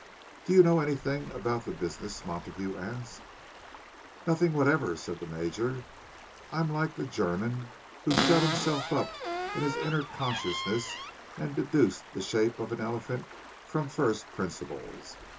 "Do you know anything about the business?" Montague asked. "Nothing whatever," said the Major. "I am like the German who shut himself up in his inner consciousness and deduced the shape of an elephant from first principles.